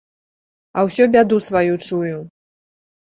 А ўсё бяду сваю чую!